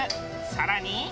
更に。